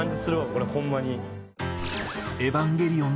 これホンマに。